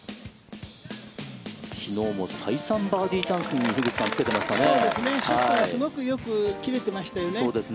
昨日も再三バーディーチャンスに樋口さん、つけてましたね。